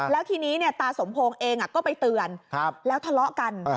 แล้วทีนี้ตาสมพงศ์เองก็ไปเตือนแล้วทะเลาะกัน